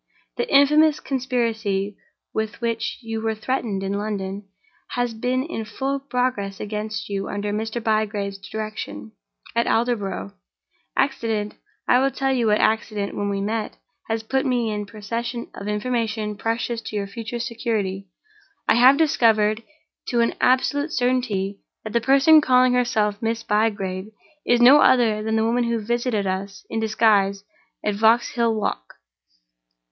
The infamous conspiracy with which you were threatened in London has been in full progress against you under Mr. Bygrave's direction, at Aldborough. Accident—I will tell you what accident when we meet—has put me in possession of information precious to your future security. I have discovered, to an absolute certainty, that the person calling herself Miss Bygrave is no other than the woman who visited us in disguise at Vauxhall Walk.